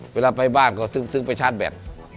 เวลาไปบ้านก็ซึ้งไปชาร์จแบต